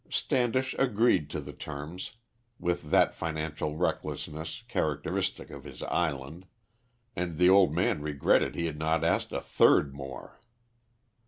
Standish agreed to the terms with that financial recklessness characteristic of his island, and the old man regretted he had not asked a third more.